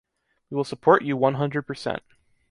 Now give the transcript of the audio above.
We will support you, one hundred percent!